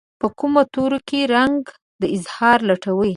په کومو تورو کې رنګ د اظهار لټوي